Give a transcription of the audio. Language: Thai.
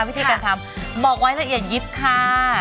วิธีการทำบอกไว้ใส่อย่างยิปค่า